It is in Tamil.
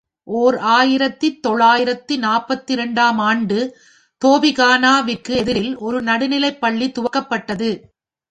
ஓர் ஆயிரத்து தொள்ளாயிரத்து நாற்பத்திரண்டு ஆம் ஆண்டு தோபிகானா விற்கு எதிரில் ஒரு நடுநிலைப் பள்ளி துவக்கப்பட்டது.